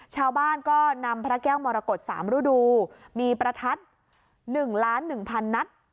ชาวบ้านก็นำพระแก้วมรกฏ๓ฤดูมีประทัด๑ล้าน๑๐๐นัด